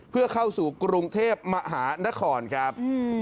เพื่อเข้าสู่กรุงเทพมหานครครับ